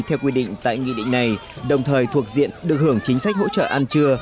theo quy định tại nghị định này đồng thời thuộc diện được hưởng chính sách hỗ trợ ăn trưa